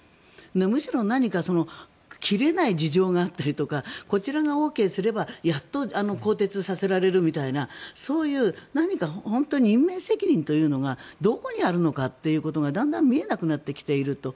むしろ何か切れない事情があったりとかこちらがＯＫすればやっと更迭させられるみたいなそういう何か本当に任命責任というのがどこにあるのかということがだんだん見えなくなってきていると。